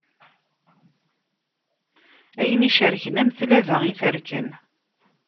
Ayen icerken, am tlaba iterken.